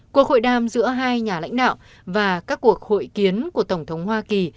cuộc hội đàm giữa hai nhà lãnh đạo và các cuộc hội kiến của tổng thống hoa kỳ